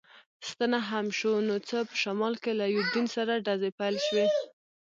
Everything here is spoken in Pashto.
ستنه هم شو، نو څه، په شمال کې له یوډین سره ډزې پیل شوې.